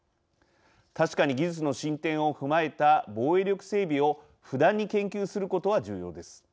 確かに技術の進展を踏まえた防衛力整備を不断に研究することは重要です。